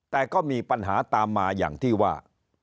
แต่ก็มีปัญหาตามมาอย่างที่ว่า